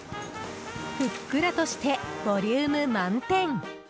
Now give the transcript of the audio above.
ふっくらとして、ボリューム満点。